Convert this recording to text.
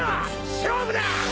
勝負だ！